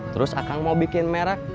terus akang mau bikin merek